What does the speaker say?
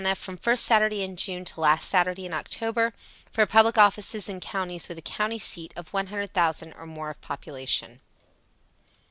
from first Saturday in June to last Saturday in October, for public offices in counties with a county seat of 100,000 or more population.